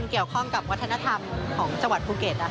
อันนี้เนื้อคือวัฒนธรรมจังหวัดภูเกต